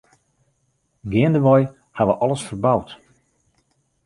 Geandewei ha we alles ferboud.